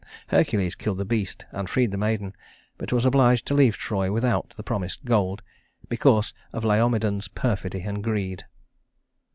Hercules killed the beast and freed the maiden, but was obliged to leave Troy without the promised gold, because of Laomedon's perfidy and greed.